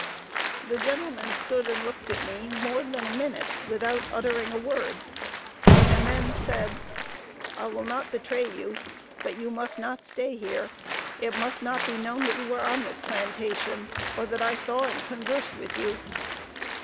The gentleman stood and looked at me more than a minute, without uttering a word, and then said, "I will not betray you, but you must not stay here. It must not be known that you were on this plantation, and that I saw and conversed with you.